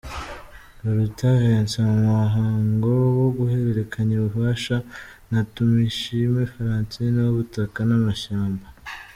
Biruta Vincent, mu muhango wo guhererekanya ububasha na Tumushime Francine w’Ubutaka n’Amashyamba.